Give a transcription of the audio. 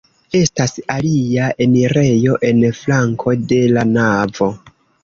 Estas alia enirejo en flanko de la navo.